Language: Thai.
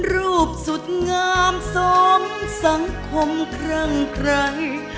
รูปสุดงามสมสังคมครั้งไกล